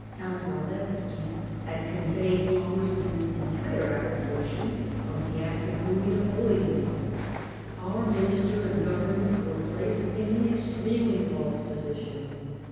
Count Walewski had conveyed Palmerston's entire approbation of the act of Louis Napoleon. Our Minister and Government were placed in an extremely false position.